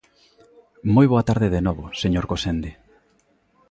Moi boa tarde de novo, señor Gosende.